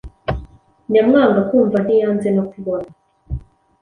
Nyamwangakumva ntiyanze no kubona.